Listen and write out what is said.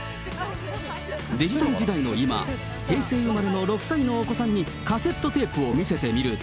デジタル時代の今、平成生まれの６歳のお子さんにカセットテープを見せてみると。